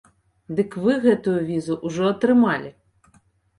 Дык вы гэтую візу ўжо атрымалі.